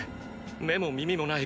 目も耳もない